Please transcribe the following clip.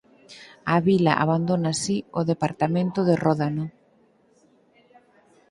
A vila abandona así o departamento de Ródano.